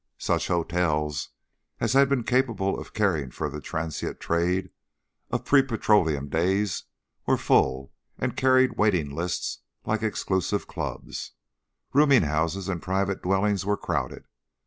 Such hotels as had been capable of caring for the transient trade of pre petroleum days were full and carried waiting lists like exclusive clubs; rooming houses and private dwellings were crowded.